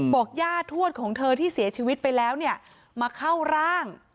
ย่าทวดของเธอที่เสียชีวิตไปแล้วเนี่ยมาเข้าร่าง